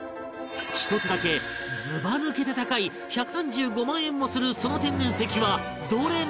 １つだけずば抜けて高い１３５万円もするその天然石はどれなのか？